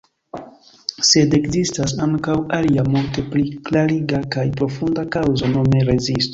Sed ekzistas ankaŭ alia, multe pli klariga kaj profunda kaŭzo, nome rezisto.